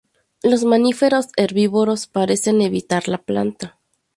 Los mamíferos herbívoros parecen evitar la planta.